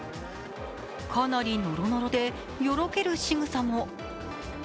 かなりノロノロでよろけるしぐさも。